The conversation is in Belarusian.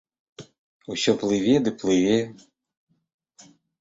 Усё плыве ды плыве.